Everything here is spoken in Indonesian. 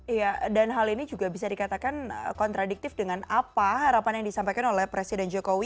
iya dan hal ini juga bisa dikatakan kontradiktif dengan apa harapan yang disampaikan oleh presiden jokowi